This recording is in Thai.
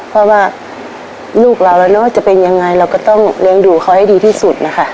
เพราะว่าลูกเราแล้วว่าจะเป็นยังไงเราก็ต้องเลี้ยงดูเขาให้ดีที่สุดนะคะ